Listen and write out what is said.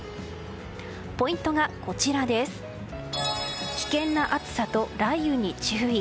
ポイントが危険な暑さと雷雨に注意。